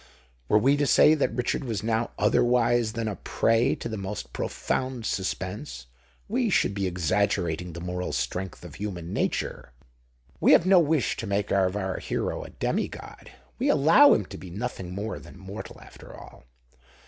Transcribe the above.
Were we to say that Richard was now otherwise than a prey to the most profound suspense, we should be exaggerating the moral strength of human nature. We have no wish to make of our hero a demigod: we allow him to be nothing more than mortal after all!